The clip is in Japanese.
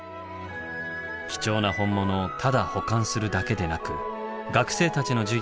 貴重な本物をただ保管するだけでなく学生たちの授業で活用する。